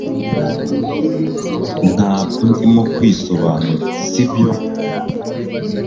Ntabwo ndimo kwisobanura sibyo